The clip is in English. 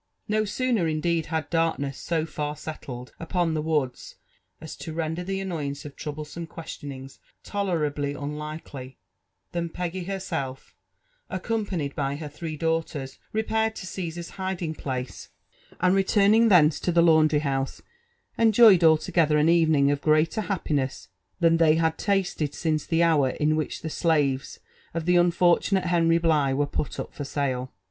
No sooner, indeed, had darkness so far settled upon the woods as to render the annoyance of troublesome questionings tolerably unlikely, than Peggy herself, accompanied by her three daughters, repaired to Caesar's hiding place, and retumnig JONATHAN JEPFl^RSON WHITLAW. m thence to the hu&dry hou8e, enjoyed altogether an evening of greater happiness than they had [tasted since the hour in which the slaves of (he unfortunate Henry Bligh were put up for sale.